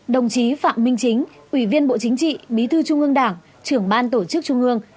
đồng chí phạm minh chính ủy viên bộ chính trị bí thư trung ương đảng trưởng ban tổ chức trung ương